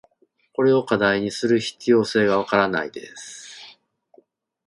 これを課題にする必要性が分からないです。